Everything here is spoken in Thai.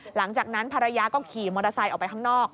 หลังจากนั้นภรรยาก็ขี่มอเตอร์ไซค์ออกไปข้างนอก